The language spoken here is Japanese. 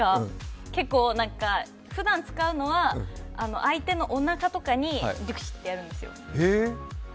結構ふだん使うのは相手のおなかとかにデュクシ！ってやるんですよ。